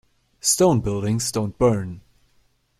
Stone buildings don't burn.